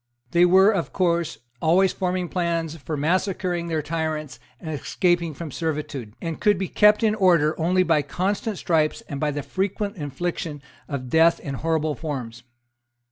They were of course always forming plans for massacring their tyrants and escaping from servitude, and could be kept in order only by constant stripes and by the frequent infliction of death in horrible forms.